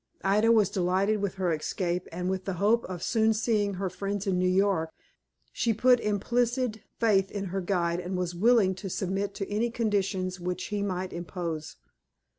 Ida was delighted with her escape, and, with the hope of soon seeing her friends in New York, She put implicit faith in her guide, and was willing to submit to any conditions which he might impose.